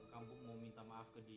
aku mau ke kampung mau minta maaf ke dia